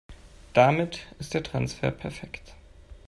Damit ist der Transfer perfekt.